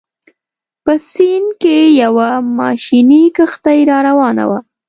په سیند کې یوه ماشیني کښتۍ راروانه وه.